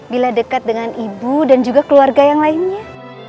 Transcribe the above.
bila dekat dengan ibu dan juga keluarga yang lainnya